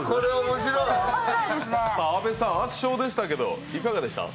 阿部さん、圧勝でしたけどいかがでした？